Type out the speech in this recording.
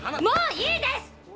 もういいです！